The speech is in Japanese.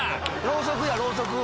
ろうそくやろうそく。